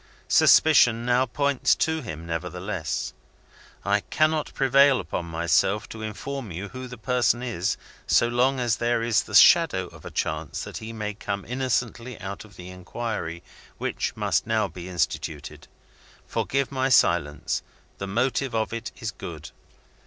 Suspicion now points at him, nevertheless. I cannot prevail on myself to inform you who the person is, so long as there is the shadow of a chance that he may come innocently out of the inquiry which must now be instituted. Forgive my silence; the motive of it is good.